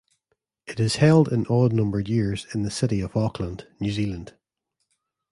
It is held in odd numbered years in the city of Auckland, New Zealand.